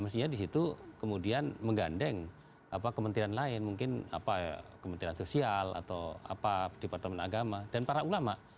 mestinya di situ kemudian menggandeng kementerian lain mungkin kementerian sosial atau apa departemen agama dan para ulama